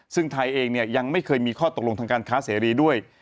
ซึ่งไทยเองเนี่ยยังไม่เคยมีข้อตกลงทางการค้าเสรีด้วย